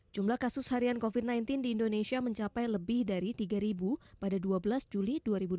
jumlah kasus harian covid sembilan belas di indonesia mencapai lebih dari tiga pada dua belas juli dua ribu dua puluh